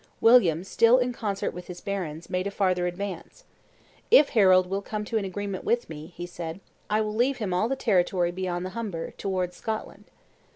William, still in concert with his barons, made a farther advance. "If Harold will come to an agreement with me," he said, "I will leave him all the territory beyond the Humber, towards Scotland."